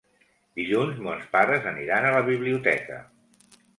Dilluns mons pares aniran a la biblioteca.